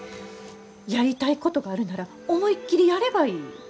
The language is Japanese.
やりたいことがあるなら思いっきりやればいい。